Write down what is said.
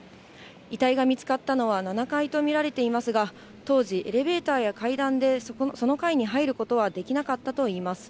遺体が見つかったのは７階と見られていますが、当時、エレベーターや階段で、その階に入ることはできなかったといいます。